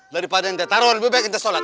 daripada itu taruhan lebih baik itu sholat